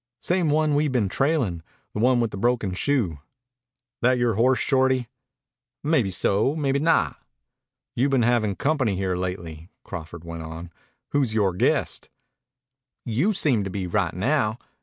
"Same one we've been trailing. The one with the broken shoe." "That yore horse, Shorty?" "Maybeso. Maybe not." "You've been havin' company here lately," Crawford went on. "Who's yore guest?" "You seem to be right now.